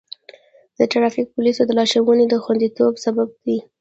د ټرافیک پولیسو لارښوونې د خوندیتوب سبب دی.